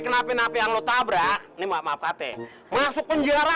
cuman anak yang ditabraknya kayaknya parah